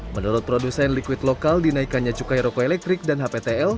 menurut produsen liquid lokal dinaikannya cukai rokok elektrik dan hptl